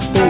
từ yếu tố